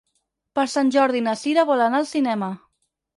Per Sant Jordi na Sira vol anar al cinema.